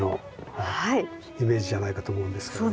イメージじゃないかと思うんですけれども。